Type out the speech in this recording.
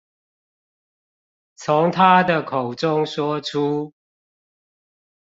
從他的口中說出